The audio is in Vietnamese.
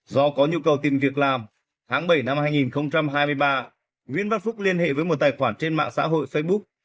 do có nhu cầu tìm việc làm tháng bảy năm hai nghìn hai mươi ba nguyễn văn phúc liên hệ với một tài khoản trên mạng xã hội facebook